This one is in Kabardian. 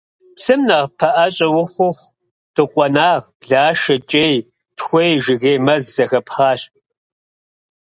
Псым нэхъ пэӀэщӀэ ухъуху дыкъуэнагъ, блашэ, кӀей, тхуей, жыгей мэз зэхэпхъащ.